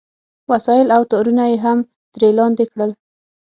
وسایل او تارونه یې هم ترې لاندې کړل